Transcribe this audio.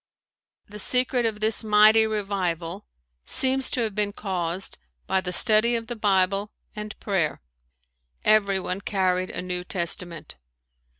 The secret of this mighty revival seems to have been caused by the study of the Bible and prayer. Everyone carried a New Testament.